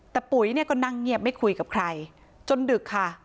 แต่ปุ๋ยเนี่ยก็นั่งเงียบไม่คุยกับใครจนดึกค่ะ